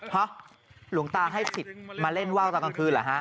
ฮะหลวงตาให้สิทธิ์มาเล่นว่าวตอนกลางคืนเหรอฮะ